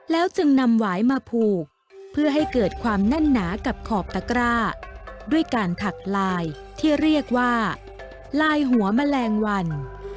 แล้วจึงนำหวายมาผูกเพื่อให้เกิดความแน่นหนากับขอบตะกร้าด้วยการถักลายที่เรียกว่าลายหัวแมลงวัน